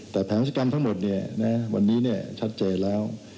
แต่แผนวัตกรรมทั้งหมดเนี่ยนะฮะวันนี้เนี่ยชัดเจนแล้ว